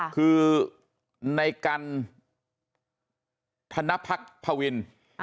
คือในกันธนพักพวิน